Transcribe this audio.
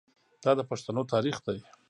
دا د پښتنو تاریخ دی.